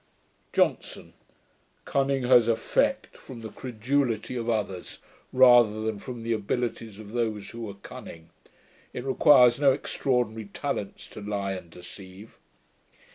JOHNSON. 'Cunning has effect from the credulity of others, rather than from the abilities of those who are cunning. It requires no extraordinary talents to lie and deceive.'